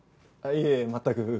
いえ全く。